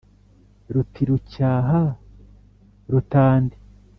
ruti rucyaha rutandi